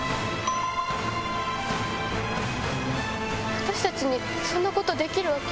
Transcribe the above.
私たちにそんなことできるわけ。